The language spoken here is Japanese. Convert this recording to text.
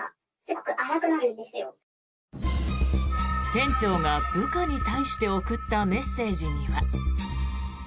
店長が部下に対して送ったメッセージには。